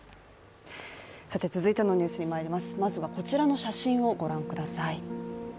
まずはこちらの写真をご覧ください。